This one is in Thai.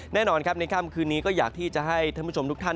แน่นอนครับในค่ำคืนนี้ก็อยากที่จะให้ท่านผู้ชมทุกท่าน